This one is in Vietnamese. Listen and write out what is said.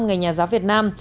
ngày nhà giáo việt nam